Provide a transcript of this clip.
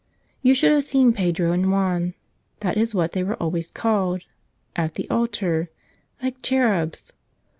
You should have seen Pedro and Juan, that is what they were always called, at the altar — like cherubs!